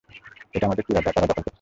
এটা আমাদের চূড়া যা তারা দখল করেছে।